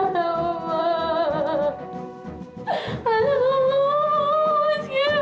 jangan jangan jangan